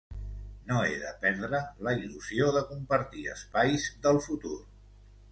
No he de perdre la il·lusió de compartir espais del futur.